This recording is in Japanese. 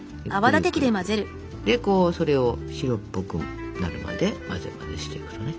でそれを白っぽくなるまで混ぜ混ぜしていくのね。